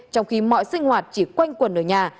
trong khi mọi sinh hoạt chỉ quanh quần ở nhà